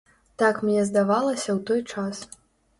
Так мне здавалася ў той час.